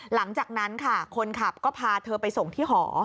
หลังจากนั้นค่ะคนขับก็พาเธอไปส่งที่หอ